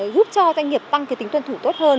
giúp cho doanh nghiệp tăng tính tuân thủ tốt hơn